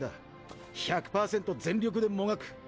１００％全力でもがく！